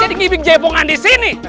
jadi ngibing jebongan disini